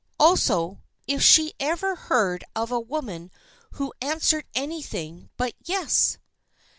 Also, if she ever heard of a woman who answered anything but 'Yes!